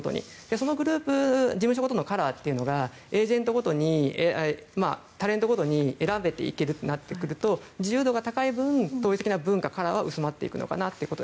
その事務所ごとのカラーがタレントごとに選べていけるとなってくると自由度が高い分文化、カラーは薄まっていくのかなと。